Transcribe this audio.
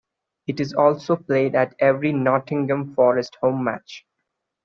It is also played at every Nottingham Forest home match.